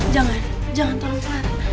jangan jangan tolong clara